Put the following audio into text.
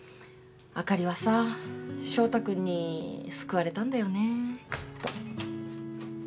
あかりはさ翔太君に救われたんだよねきっと。